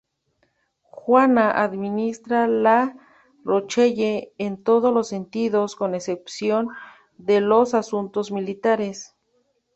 Juana administra La Rochelle en todos los sentidos, con excepción de los asuntos militares.